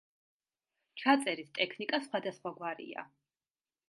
ჩაწერის ტექნიკა სხვადასხვაგვარია.